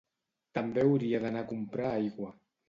També hauria d'anar a comprar aigua